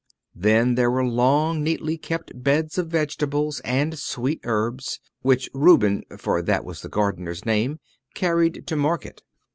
Then there were long, neatly kept beds of vegetables and sweet herbs, which Reuben for that was the gardener's name carried to market.